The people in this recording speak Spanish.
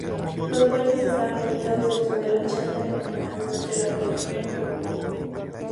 Los baños estaban ubicados dentro de la chacra denominada durante la colonia "Lo Coo".